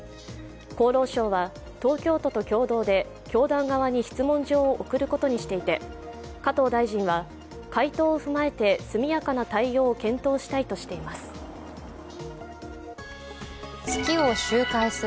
厚労省は、東京都と共同で教団側に質問状を送ることにしていて、加藤大臣は回答を踏まえて速やかな対応を検討したいとしています。